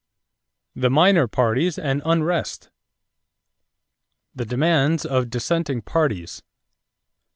THE MINOR PARTIES AND UNREST =The Demands of Dissenting Parties.